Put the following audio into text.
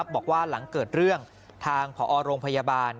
บอกว่าหลังเกิดเรื่องทางผอโรงพยาบาล